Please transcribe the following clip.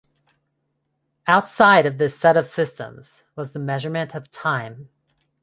Outside of this set of systems was the measurement of time.